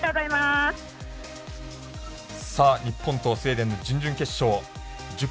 日本とスウェーデンの準々決勝